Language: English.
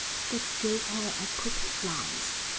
Dick gave her a quick glance.